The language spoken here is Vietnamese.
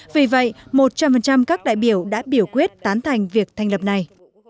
vì vậy một trăm linh các đại biểu đã biểu quyết tán thành việc thành lập này